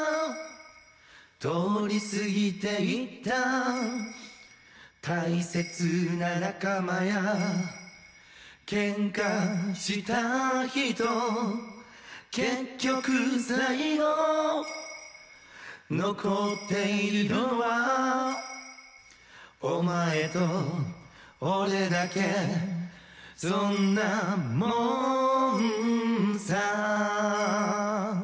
通り過ぎていった大切な仲間や喧嘩した人結局最後残っているのはお前と俺だけそんなもんさ